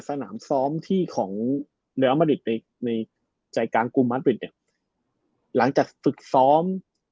สนามซ้อมที่ของในใจกลางกลุ่มมาตรหลังจากตึกซ้อม